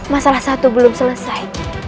masalah satu belum selesai